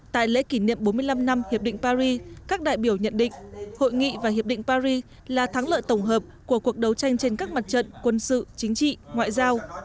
tại lễ kỷ niệm bốn mươi năm năm hiệp định paris các đại biểu nhận định hội nghị và hiệp định paris là thắng lợi tổng hợp của cuộc đấu tranh trên các mặt trận quân sự chính trị ngoại giao